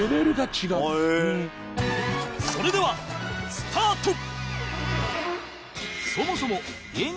それではスタート！